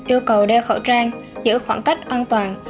yêu cầu đeo khẩu trang giữ khoảng cách an toàn